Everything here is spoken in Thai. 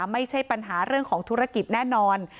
ไม่ใช่ปัญหาเรื่องของธุรกิจแน่นอน